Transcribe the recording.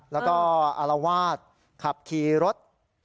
แล้วก็อารวาสขับขี่รถ